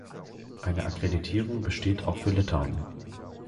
Eine Akkreditierung besteht auch für Litauen.